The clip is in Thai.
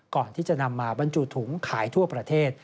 ก่อนที่จะนำมาบรรจุถุงขายทั่วประเทศ